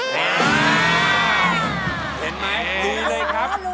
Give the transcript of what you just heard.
เห็นไหมดีเลยครับ